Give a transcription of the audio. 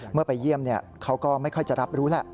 เมื่อไปเยี่ยมเขาก็ไม่ค่อยจะรับรู้แล้ว